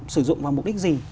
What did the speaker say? sử dụng vào mục đích gì